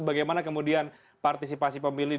bagaimana kemudian partisipasi pemilih